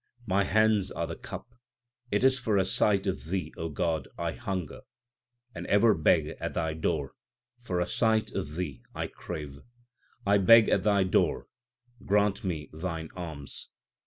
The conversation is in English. My hands are the cup ; it is for a sight of Thee, God, I hunger, And ever beg at Thy door For a sight of Thee I crave. I beg at Thy door ; grant me Thine alms.